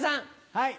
はい。